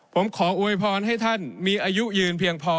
ผมขออวยพรให้ท่านมีอายุยืนเพียงพอ